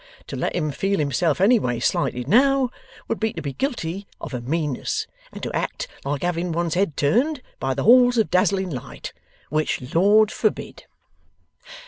To let him feel himself anyways slighted now, would be to be guilty of a meanness, and to act like having one's head turned by the halls of dazzling light. Which Lord forbid!